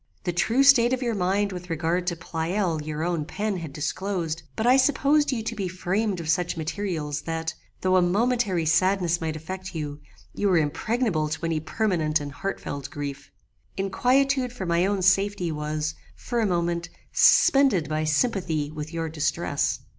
The true state of your mind with regard to Pleyel your own pen had disclosed; but I supposed you to be framed of such materials, that, though a momentary sadness might affect you, you were impregnable to any permanent and heartfelt grief. Inquietude for my own safety was, for a moment, suspended by sympathy with your distress.